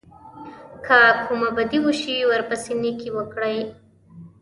که کومه بدي وشي ورپسې نېکي وکړئ.